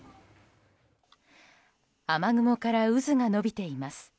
雨雲から渦が延びています。